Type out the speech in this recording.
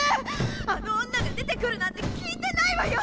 あの女が出てくるなんて聞いてないわよ！